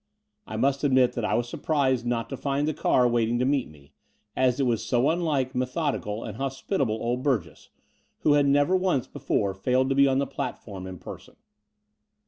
I must admit that I was stuprised not to find the car waiting to meet me, as it was so tmlike method ical and hospitable old Burgess, who had never once before failed to be on the platform in person.